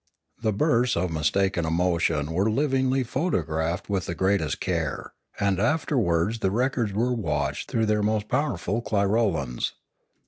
The bursts of mistaken emotion were livingly photographed with the greatest care, and afterwards the records were watched through their most powerful clirolans.